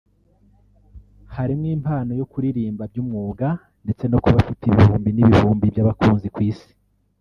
harimo impano yo kuririmba by’umwuga ndetse no kuba afite ibihumbi n’ibihumbi by’abakunzi ku isi